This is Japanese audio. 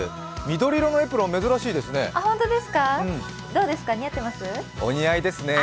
緑色のエプロン珍しいですね？